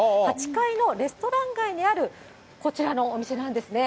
８階のレストラン街にあるこちらのお店なんですね。